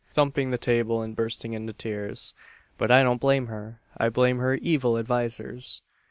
(Thumping the table and bursting into tears.) "But I don't blame her, I blame her evil advisers."